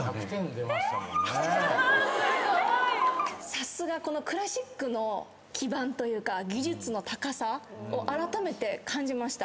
さすがクラシックの基盤というか技術の高さをあらためて感じました。